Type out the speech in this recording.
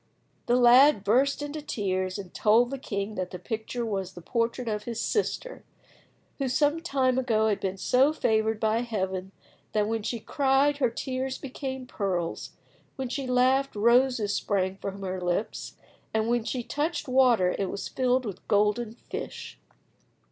The lad burst into tears, and told the king that the picture was the portrait of his sister, who some time ago had been so favoured by Heaven that when she cried her tears became pearls, when she laughed roses sprang from her lips, and when she touched water it was filled with golden fish.